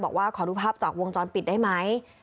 บอกว่าขอดูภาพจากวงจรปิดได้ไหม